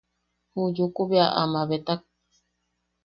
Ju Yuku bea a mabetak.